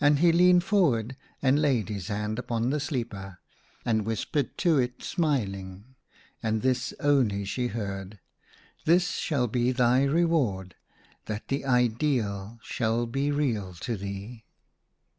And he leaned forward and laid his hand upon the sleeper, and whispered to it, smiling ; and this only she heard —" This shall be thy reward— that the ideal shall be real to thee!'